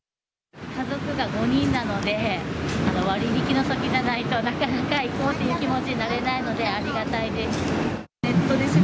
家族が５人なので、割引のときじゃないと、なかなか行こうという気持ちになれないので、ありがたいです。